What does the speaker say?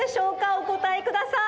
おこたえください。